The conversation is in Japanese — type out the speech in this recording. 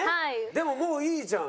でももういいじゃん